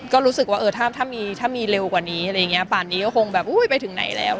ก็รู้สึกว่าเออถ้ามีถ้ามีเร็วกว่านี้อะไรอย่างเงี้ป่านนี้ก็คงแบบอุ้ยไปถึงไหนแล้ว